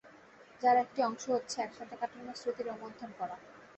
যার একটি অংশ হচ্ছে একসাথে কাটানো স্মৃতি রোমন্থন করা।